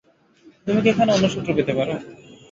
তুমি কি এখানে অন্য সূত্র পেতে পার?